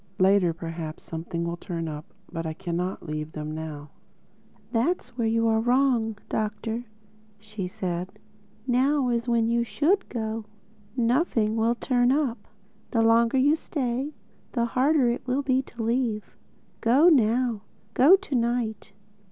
Later perhaps something will turn up. But I cannot leave them now." "That's where you're wrong, Doctor," said she. "Now is when you should go. Nothing will 'turn up.' The longer you stay, the harder it will be to leave—Go now. Go to night."